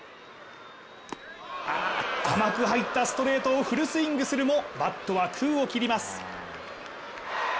甘く入ったストレートをフルスイングするも、バットは空を切ります。